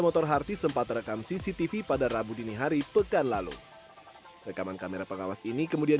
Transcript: motor harti sempat rekam cctv pada rabu dini hari pekan lalu rekaman kamera pengawas ini kemudian